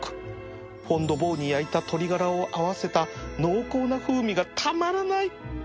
フォンドボーに焼いた鶏がらを合わせた濃厚な風味がたまらない